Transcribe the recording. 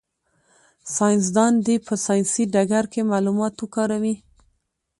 ساینس دان دي په ساینسي ډګر کي معلومات وکاروي.